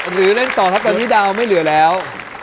หรือโตไม่เหลือแล้ว